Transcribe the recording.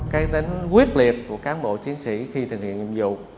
cái tính quyết liệt của cán bộ chiến sĩ khi thực hiện nhiệm vụ